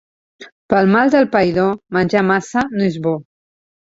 Pel mal del païdor menjar massa no és bo.